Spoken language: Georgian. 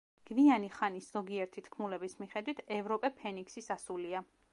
გვიანი ხანის ზოგიერთი თქმულების მიხედვით, ევროპე ფენიქსის ასულია.